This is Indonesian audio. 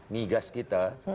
minyak gas kita